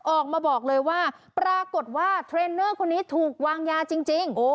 ออกมาบอกเลยว่าปรากฏว่าเทรนเนอร์คนนี้ถูกวางยาจริง